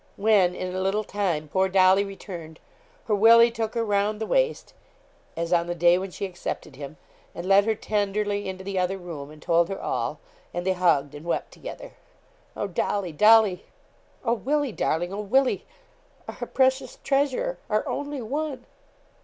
When, in a little time, poor Dolly returned, her Willie took her round the waist, as on the day when she accepted him, and led her tenderly into the other room, and told her all, and they hugged and wept together. 'Oh, Dolly, Dolly!' 'Oh, Willie, darling! Oh, Willie, our precious treasure our only one.'